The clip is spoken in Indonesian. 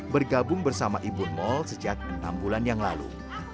bergabung bersama ibu mall sejak enam bulan yang lalu